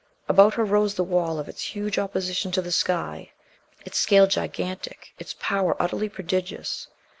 About her rose the wall of its huge opposition to the sky, its scale gigantic, its power utterly prodigious.